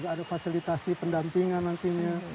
ada fasilitasi pendampingan nantinya